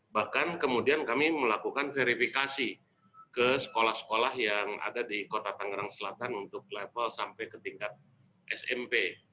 bahkan kemudian kami melakukan verifikasi ke sekolah sekolah yang ada di kota tangerang selatan untuk level sampai ke tingkat smp